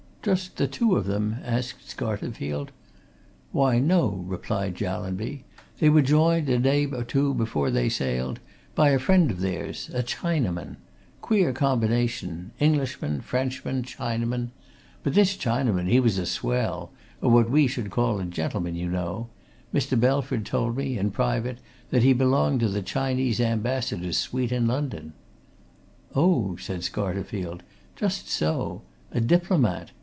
"Just the two of them?" asked Scarterfield. "Why, no," replied Jallanby. "They were joined, a day or two before they sailed, by a friend of theirs a Chinaman. Queer combination Englishman, Frenchman, Chinaman. But this Chinaman, he was a swell what we should call a gentleman, you know Mr. Belford told me, in private, that he belonged to the Chinese Ambassador's suite in London." "Oh!" said Scarterfield. "Just so! A diplomat.